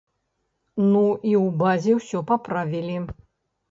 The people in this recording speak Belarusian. Ну, і ў базе ўсё паправілі.